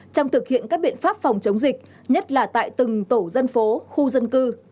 trong thực hiện các biện pháp phòng chống dịch nhất là tại từng tổ dân phố khu dân cư